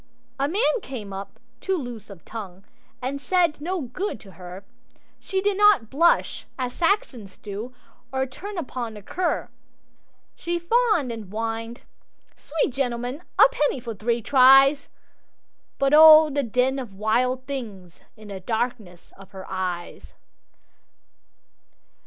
A man came up, too loose of tongue, And said no good to her; She did not blush as Saxons do, Or turn upon the cur; She fawned and whined "Sweet gentleman, A penny for three tries!" But oh, the den of wild things in The darkness of her eyes!